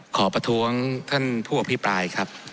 ขอประท้วงท่านผู้อภิปรายครับ